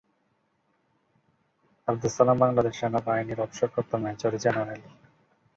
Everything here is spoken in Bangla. আবদুস সালাম বাংলাদেশ সেনাবাহিনীর অবসরপ্রাপ্ত মেজর জেনারেল।